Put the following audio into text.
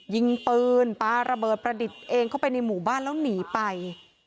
ยิงปืนปลาระเบิดประดิษฐ์เองเข้าไปในหมู่บ้านแล้วหนีไป